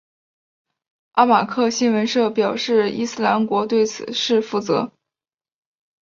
阿马克新闻社表示伊斯兰国对此事负责。